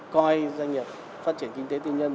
coi doanh nghiệp phát triển kinh tế tư nhân